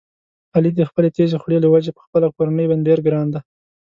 علي د خپلې تېزې خولې له وجې په خپله کورنۍ باندې ډېر ګران دی.